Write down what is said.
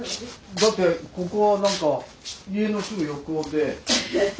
だってここは家のすぐ横で。